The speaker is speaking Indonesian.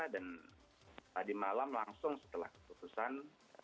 dan tadi malam langsung setelah keputusan